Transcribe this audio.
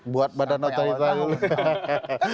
buat badan otoritas